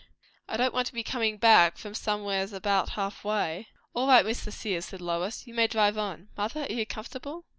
I don't want to be comin' back from somewheres about half way." "All right, Mr. Sears," said Lois. "You may drive on. Mother, are you comfortable?"